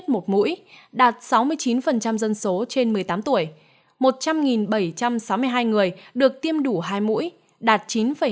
một mũi đạt sáu mươi chín dân số trên một mươi tám tuổi một trăm linh bảy trăm sáu mươi hai người được tiêm đủ hai mũi đạt chín bảy